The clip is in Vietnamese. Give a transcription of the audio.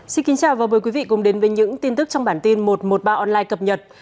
xin kính chào và mời quý vị cùng đến với những tin tức trong bản tin một trăm một mươi ba online cập nhật